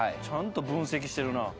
ちゃんと分析してるな。